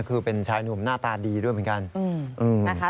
คือเป็นชายหนุ่มหน้าตาดีด้วยเหมือนกัน